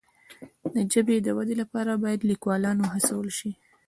د ژبې د ودي لپاره باید لیکوالان وهڅول سي.